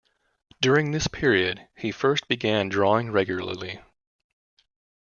During this period he first began drawing regularly.